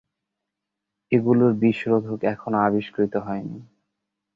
এগুলোর বিষ-রোধক এখনো আবিষ্কৃত হয়নি।